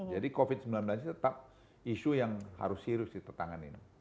jadi covid sembilan belas tetap isu yang harus sirus di petangan ini